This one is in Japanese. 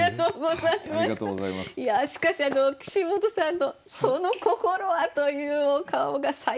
いやしかし岸本さんの「その心は」と言うお顔が最高でしたね。